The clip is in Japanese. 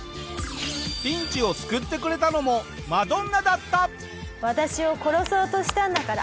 ピンチを救ってくれたのもマドンナだった！